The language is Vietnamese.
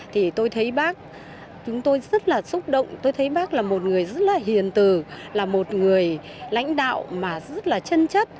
thì tôi thấy bác chúng tôi rất là xúc động tôi thấy bác là một người rất là hiền tử là một người lãnh đạo mà rất là chân chất